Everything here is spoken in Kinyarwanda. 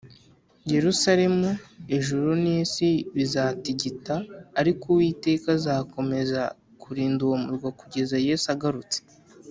Yerusalemu Ijuru n isi bizatigita ariko Uwiteka azakomeza kurinda uwo murwa kugeza yezu agarutse